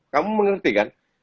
kamu mengerti kan